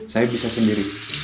saya bisa sendiri